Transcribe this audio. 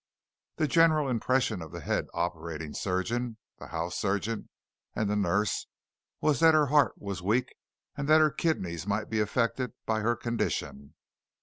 The general impression of the head operating surgeon, the house surgeon and the nurse was that her heart was weak and that her kidneys might be affected by her condition.